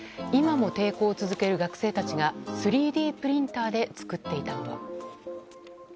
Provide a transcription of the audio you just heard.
今も抵抗を続ける学生たちが３Ｄプリンターで作っていたものとは。